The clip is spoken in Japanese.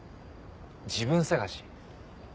自分探し？